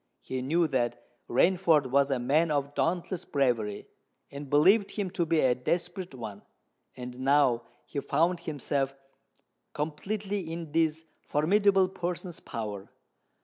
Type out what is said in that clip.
He knew that Rainford was a man of dauntless bravery, and believed him to be a desperate one; and now he found himself completely in this formidable person's power.